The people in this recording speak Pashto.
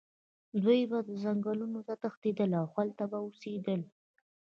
دوی به ځنګلونو ته تښتېدل او هلته به اوسېدل.